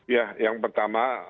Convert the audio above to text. ya yang pertama